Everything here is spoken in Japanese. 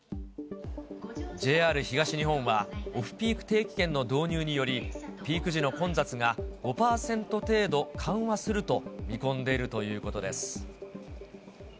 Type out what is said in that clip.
ＪＲ東日本は、オフピーク定期券の導入により、ピーク時の混雑が５％程度、緩和すると見込んでいるということです。